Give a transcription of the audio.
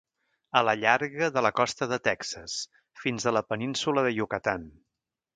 A la llarga de la costa de Texas, fins a la Península de Yucatán.